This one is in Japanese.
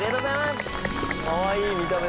かわいい見た目も。